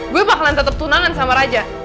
gue bakalan tetap tunangan sama raja